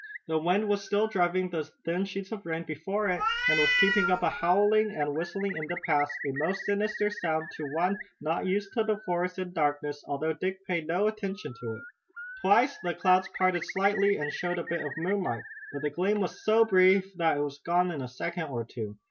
The wind was still driving the thin sheets of rain before it, and was keeping up a howling and whistling in the pass, a most sinister sound to one not used to the forest and darkness, although Dick paid no attention to it. Twice the clouds parted slightly and showed a bit of moonlight, but the gleam was so brief that it was gone in a second or two.